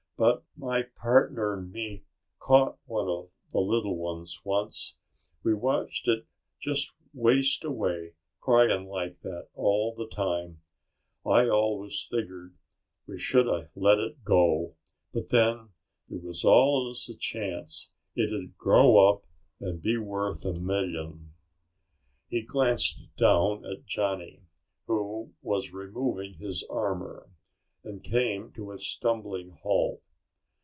"But my partner'n me caught one of the little ones once. We watched it just waste away, crying like that all the time. I always figured we should have let it go. But then there was always the chance it'd grow up and be worth a million." He glanced down at Johnny, who was removing his armor, and came to a stumbling halt.